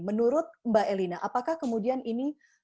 menurut mbak elina apakah kemudian ini